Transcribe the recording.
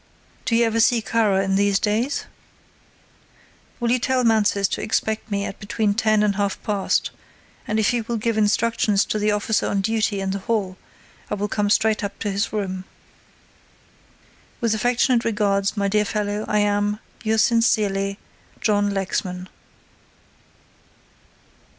"Do you ever see Kara in these days? "Will you tell Mansus to expect me at between ten and half past, and if he will give instructions to the officer on duty in the hall I will come straight up to his room. "With affectionate regards, my dear fellow, I am, "Yours sincerely, "JOHN LEXMAN."